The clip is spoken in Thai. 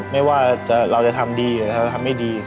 ไม่ว่าเราจะทำดีหรือเราจะทำไม่ดี